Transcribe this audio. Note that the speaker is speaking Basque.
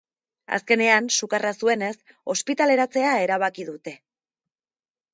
Azkenean, sukarra zuenez, ospitaleratzea erabaki dute.